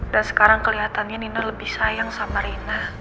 dan sekarang keliatannya nino lebih sayang sama rina